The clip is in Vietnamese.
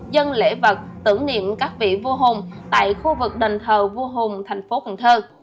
dân lễ vật tưởng niệm các vị vua hùng tại khu vực đền thờ vua hùng thành phố cần thơ